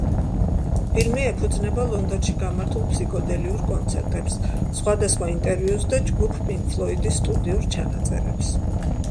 ფილმი ეფუძნება ლონდონში გამართულ ფსიქოდელიურ კონცერტებს, სხვადასხვა ინტერვიუს და ჯგუფ პინკ ფლოიდის სტუდიურ ჩანაწერებს.